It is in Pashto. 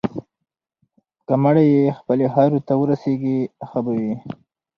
که مړی یې خپلې خاورې ته ورسیږي، ښه به وي.